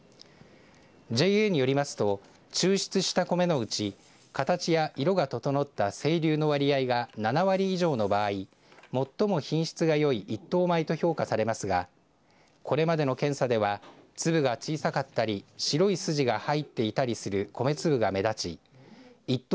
ＪＡによりますと抽出したコメのうち形や色が整った整粒の割合が７割以上の場合最も品質がよい１等米と評価されますがこれまでの検査では粒が小さかったり白い筋が入っていたりする米粒が目立ち１等